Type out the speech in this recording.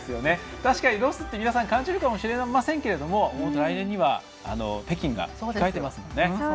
確かにロスって皆さん感じるかもしれませんけど来年には北京が控えていますもんね。